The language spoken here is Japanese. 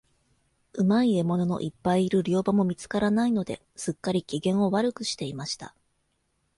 うまい獲物のいっぱいいる猟場も見つからないので、すっかり、機嫌を悪くしていました。